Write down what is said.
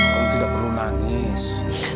kamu tidak perlu nangis